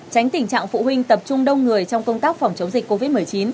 tránh tình trạng phụ huynh tập trung đông người trong công tác phòng chống dịch covid một mươi chín